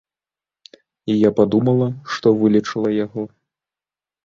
І я падумала, што вылечыла яго.